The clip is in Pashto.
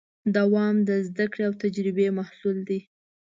دوام د زدهکړې او تجربې محصول دی.